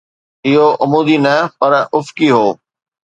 اهو عمودي نه پر افقي هو